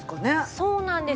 そうなんです。